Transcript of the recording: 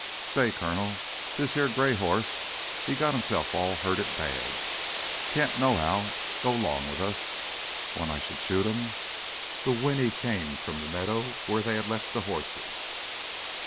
"Say, Colonel, this here gray hoss, he's got hisself all hurted bad. Can't nohow go 'long with us. Want I should shoot 'im?" That whine came from the meadow where they had left the horses.